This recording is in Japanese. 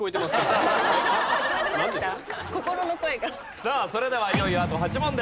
さあそれではいよいよあと８問です。